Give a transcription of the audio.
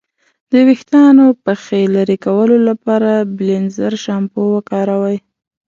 د ویښتانو پخې لرې کولو لپاره بیلینزر شامپو وکاروئ.